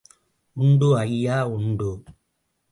உண்டு ஐயா உண்டு.